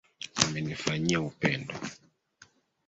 Amenifanyia upendo.